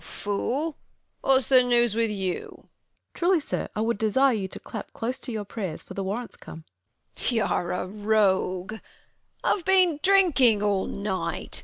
Fool, what's the news with you ? Fool. Truly, sir, I would desire you to clap close to Your praj ers, for the warrant's come. Bern. Y'are a rogue ! Pve been drinking all night.